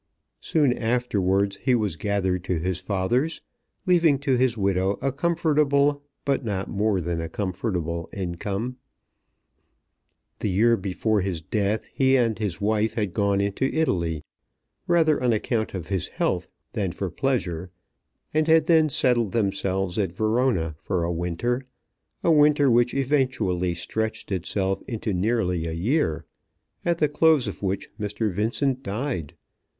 Soon afterwards he was gathered to his fathers, leaving to his widow a comfortable, but not more than a comfortable, income. The year before his death he and his wife had gone into Italy, rather on account of his health than for pleasure, and had then settled themselves at Verona for a winter, a winter which eventually stretched itself into nearly a year, at the close of which Mr. Vincent died.